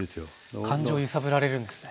感情を揺さぶられるんですね。